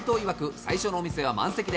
最初のお店は満席で